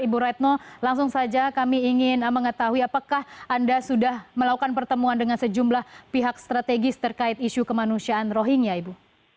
ibu retno langsung saja kami ingin mengetahui apakah anda sudah melakukan pertemuan dengan sejumlah pihak strategis terkait isu kemanusiaan rohingya ibu